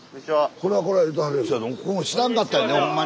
ここも知らんかったんやでほんまに。